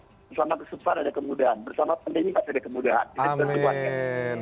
selamat kesempatan ada kemudahan